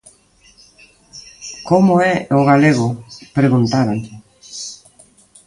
Como é o galego?, preguntáronlle.